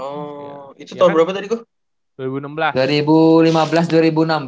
oh itu tahun berapa tadi bu